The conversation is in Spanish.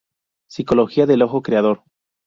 Psicología del ojo creador.